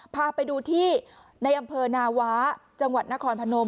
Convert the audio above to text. พาไปดูที่ในอำเภอนาวะจังหวัดนครพนม